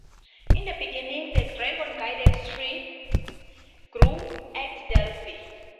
In the beginning, the dragon-guarded tree grew at Delphi.